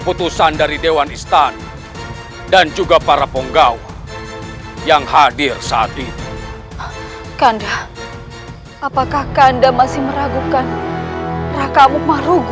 itu tidak mungkin kakak